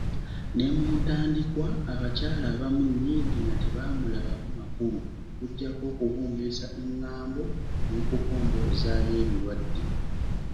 Ne mu ntandikwa abakyala abamu Niigiina tebaamulabamu makulu, okuggyako okubungeesa eng’ambo n’okukomboozaayo ebirwadde.